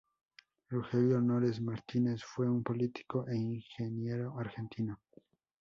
Rogelio Nores Martínez, fue un político e ingeniero argentino.